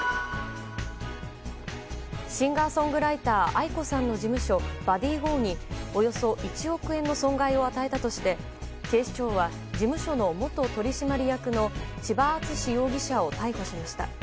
シンガーソングライターａｉｋｏさんの事務所ｂｕｄｄｙｇｏにおよそ１億円の損害を与えたとして警視庁は事務所の元取締役の千葉篤史容疑者を逮捕しました。